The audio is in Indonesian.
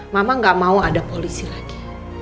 mama gak mau ada polisi lagi